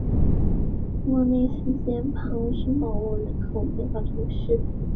莫内斯捷旁圣保罗人口变化图示